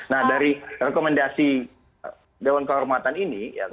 nah dari rekomendasi dewan kehormatan ini